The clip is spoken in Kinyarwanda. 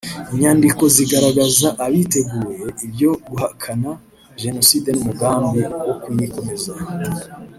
Inyandiko zigaragaza abateguye ibyo guhakana Jenoside n’umugambi wo kuyikomeza